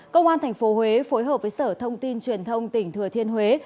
công an tp huế phối hợp với sở thông tin truyền thông tỉnh thừa thiên huế